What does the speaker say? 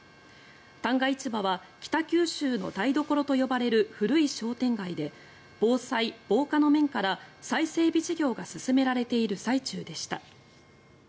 旦過市場は北九州の台所と呼ばれる古い商店街で防災・防火の面から再整備事業が進められている最中でした。